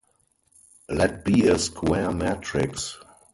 Let be a square matrix.